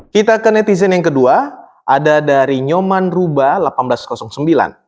kita ke netizen yang kedua ada dari nyoman ruba seribu delapan ratus sembilan